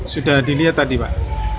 sudah dilihat tadi pak